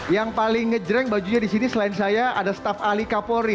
yang paling ngejreng bajunya disini selain saya ada staff ali kapori